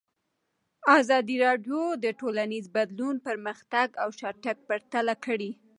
ازادي راډیو د ټولنیز بدلون پرمختګ او شاتګ پرتله کړی.